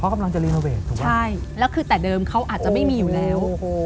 กำลังจะรีโนเวทถูกไหมใช่แล้วคือแต่เดิมเขาอาจจะไม่มีอยู่แล้ว